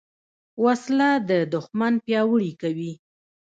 وسله د دوښمن پیاوړي کوي